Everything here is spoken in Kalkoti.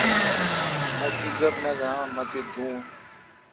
مہ دی گپ۔ نہ دہ مہ تی دون